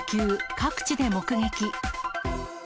各地で目撃。